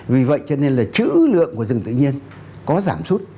vì vậy cho nên là chữ lượng của rừng tự nhiên có giảm sút